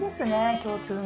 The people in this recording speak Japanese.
共通の。